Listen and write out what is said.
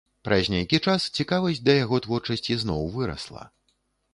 Праз нейкі час цікавасць да яго творчасці зноў вырасла.